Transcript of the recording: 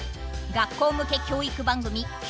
学校向け教育番組９０